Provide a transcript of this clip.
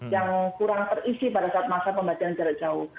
yang kurang terisi pada saat masa pembelajaran jarak jauh